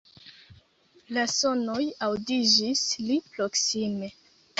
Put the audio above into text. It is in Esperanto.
La sonoj aŭdiĝis pli proksime.